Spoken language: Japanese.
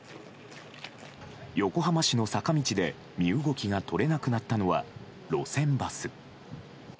横浜市の坂道で身動きが取れなくなったのは路線バス。